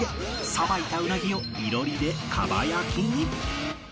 さばいたウナギを囲炉裏で蒲焼きに